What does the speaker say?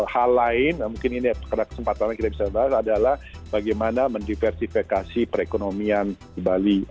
hal lain mungkin ini karena kesempatan yang kita bisa bahas adalah bagaimana mendiversifikasi perekonomian di bali